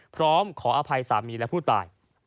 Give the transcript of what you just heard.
พร้อมขออภัยสามีและผู้ตาย